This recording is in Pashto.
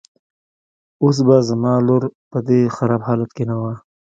اوس به زما لور په دې خراب حالت کې نه وه.